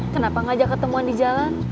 kenapa ngajak ketemuan di jalan